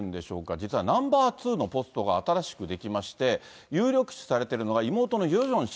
実はナンバー２のポストが新しく出来まして、有力視されてるのが、妹のヨジョン氏。